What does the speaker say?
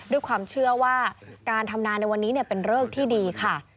ด้วยความเชื่อว่าการทำนาในวันนี้เป็นเริกที่ดีค่ะ